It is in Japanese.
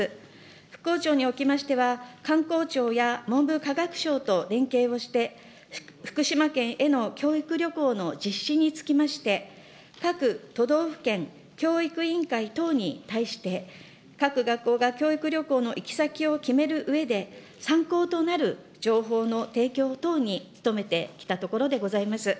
復興庁におきましては、観光庁や文部科学省と連携をして、福島県への教育旅行の実施につきまして、各都道府県教育委員会等に対して、各学校が教育旅行の行き先を決めるうえで、参考となる情報の提供等に努めてきたところでございます。